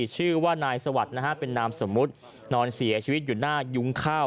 ชื่อว่านายสวัสดิ์นะฮะเป็นนามสมมุตินอนเสียชีวิตอยู่หน้ายุ้งข้าว